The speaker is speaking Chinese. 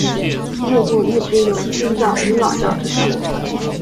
内部一直有新教与老教之争。